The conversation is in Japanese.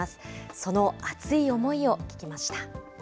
その熱い思いを聞きました。